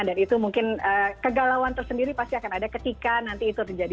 dan itu mungkin kegalauan tersendiri pasti akan ada ketika nanti itu terjadi